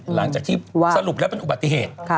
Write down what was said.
หลังจากที่สรุปแล้วเป็นอุบัติเหตุ